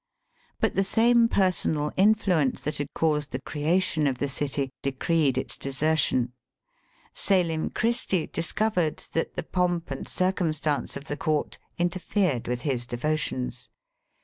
But the same personal influence that had caused the creation of the city decreed its desertion. Selim Christi discovered that the pomp and circumstance of the Court inter fered with his devotions.